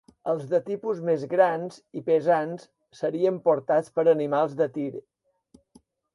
Els de tipus més grans i pesants serien portats per animals de tir.